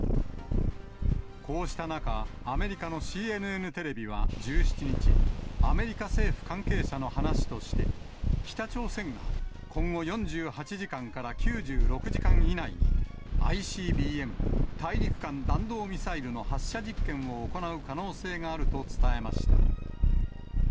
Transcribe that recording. こうした中、アメリカのＣＮＮテレビは１７日、アメリカ政府関係者の話として、北朝鮮が今後４８時間から９６時間以内に、ＩＣＢＭ・大陸間弾道ミサイルの発射実験を行う可能性があると伝えました。